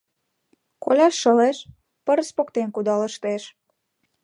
Коля шылеш, пырыс поктен кудалыштеш.